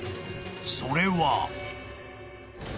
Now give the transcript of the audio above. ［それは］